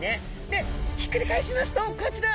でひっくり返しますとこちら！